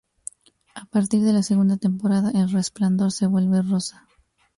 A partir de la segunda temporada, el resplandor se vuelve rosa.